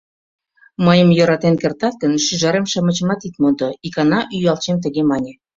«Мыйым йӧратен кертат гын, шӱжарем-шамычымат ит мондо», — икана Ӱялчем тыге мане.